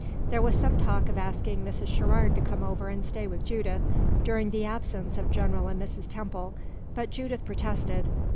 There was some talk of asking Mrs. Sherrard to come over and stay with Judith during the absence of General and Mrs. Temple, but Judith protested.